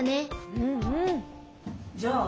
うんうん。